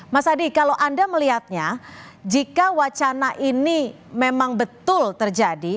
mas adi kalau anda melihatnya jika wacana ini memang betul terjadi